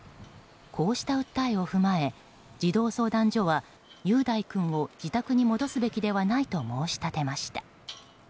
こうした訴えを踏まえ児童相談所は雄大君を自宅に戻すべきではないと申し立てました。